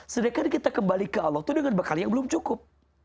sedangkan kita kembali ke allah itu dengan bekal yang belum cukup